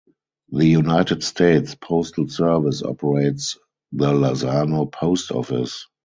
The United States Postal Service operates the Lozano Post Office.